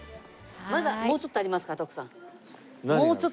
まだもうちょっとありますから徳さん。